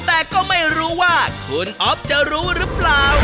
แต่ก็ไม่รู้ว่าคุณอ๊อฟจะรู้หรือเปล่า